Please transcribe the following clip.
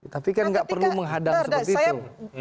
tapi kan nggak perlu menghadang seperti itu